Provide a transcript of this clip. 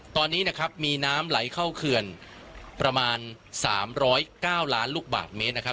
ตอนนี้นะครับมีน้ำไหลเข้าเขื่อนประมาณ๓๐๙ล้านลูกบาทเมตรนะครับ